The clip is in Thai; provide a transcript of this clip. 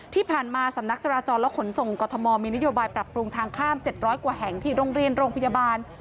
ที่ผ่านมาสำนักจราจรและขนส่งกรทมมีนโยบายปรับปรุงทางข้าม๗๐๐กว่าแห่งที่โรงเรียนโรงพยาบาล